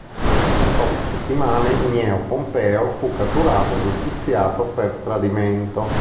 In poche settimane Gneo Pompeo fu catturato e giustiziato per tradimento.